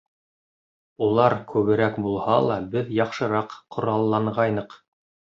Улар күберәк булһа ла, беҙ яҡшыраҡ ҡоралланғайныҡ.